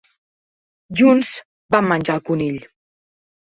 Junts van menjar el conill.